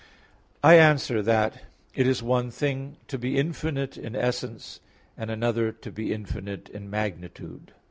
I answer that, It is one thing to be infinite in essence, and another to be infinite in magnitude.